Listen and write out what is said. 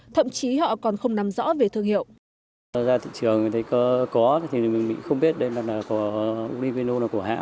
thậm chí họ còn không nắm rõ về thương hiệu